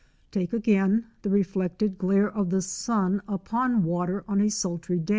Take again, the reflected glare of the sun upon water on a sultry day.